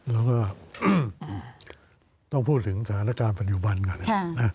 เราก็ต้องพูดถึงสถานการณ์ปฏิบันก่อนนะ